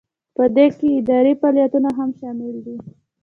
په دې کې اداري فعالیتونه هم شامل دي.